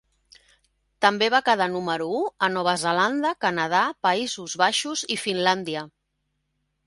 També va quedar número u a Nova Zelanda, Canadà, Països Baixos i Finlàndia.